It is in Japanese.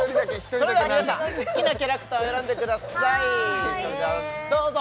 それでは皆さん好きなキャラクターを選んでくださいそれじゃあどうぞ！